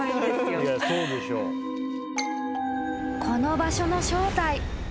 ［この場所の正体。